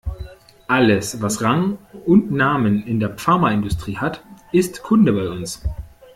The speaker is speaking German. Alles, was Rang und Namen in der Pharmaindustrie hat, ist Kunde bei uns.